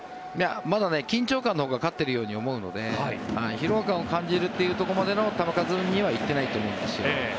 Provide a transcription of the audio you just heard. まだ緊張感のほうが勝ってるように思うので疲労感を感じるというところまでの球数には行ってないと思います。